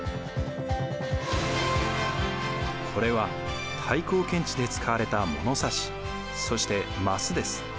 これは太閤検地で使われた物差しそして枡です。